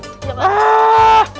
iya pak d